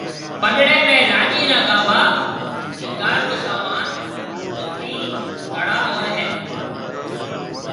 پڏڙيَ ۾ لاڏِي را گھاڀا، سينگھار رو سامان، جُتي، ڪڙا ھوئيَ ھيََََ